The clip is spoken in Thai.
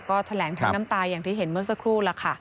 ก็แถลงทั้งน้ำตาอย่างที่เห็นเมื่อสักครู่ล่ะค่ะ